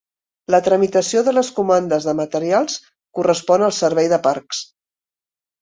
La tramitació de les comandes de materials correspon al Servei de Parcs.